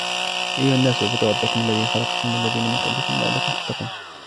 يا أيها الناس اعبدوا ربكم الذي خلقكم والذين من قبلكم لعلكم تتقون